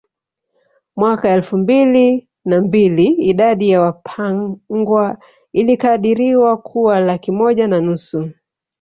Mwaka elfu mbili na mbili idadi ya Wapangwa ilikadiriwa kuwa laki moja na nusu